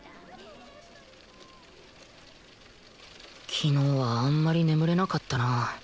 昨日はあんまり眠れなかったな